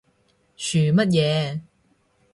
噓乜嘢？